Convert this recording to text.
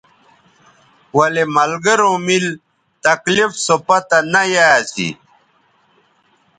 ولے ملگروں میل تکلیف سو پتہ نہ یا اسی